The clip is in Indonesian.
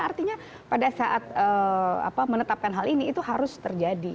artinya pada saat menetapkan hal ini itu harus terjadi